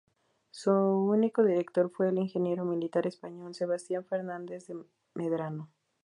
Su único director fue el ingeniero militar español Sebastián Fernández de Medrano.